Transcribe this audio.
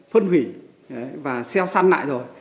phân hủy và xeo săn lại rồi